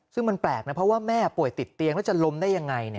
ซึ่งมันแปลกนะเพราะว่าแม่ป่วยติดเตียงแล้วจะล้มได้ยังไง